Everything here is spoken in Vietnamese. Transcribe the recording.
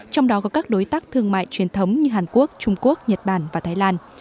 trong đó có các đối tác thương mại truyền thống như hàn quốc trung quốc nhật bản và thái lan